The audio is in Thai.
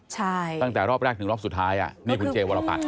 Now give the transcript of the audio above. ใช่ตั้งแต่รอบแรกถึงรอบสุดท้ายนี่คุณเจวรปัตร